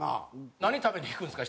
何食べに行くんですか？